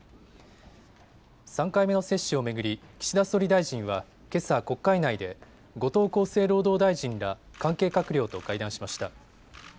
３回目の接種を巡り岸田総理大臣は、けさ国会内で後藤厚生労働大臣ら関係閣僚と会談しました。